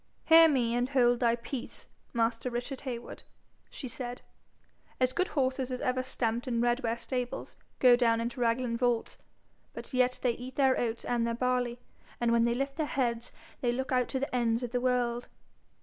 'Hear me, and hold thy peace, master Richard Heywood,' she said. 'As good horses as ever stamped in Redware stables go down into Raglan vaults; but yet they eat their oats and their barley, and when they lift their heads they look out to the ends of the world.